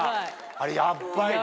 あれヤッバいな。